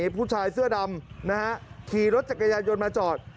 ผู้ชายเสื้อดำขี่รถจักรยานยนต์มาจอด